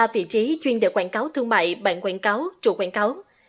một sáu trăm linh ba vị trí chuyên đề quảng cáo thương mại bản quảng cáo trụ quảng cáo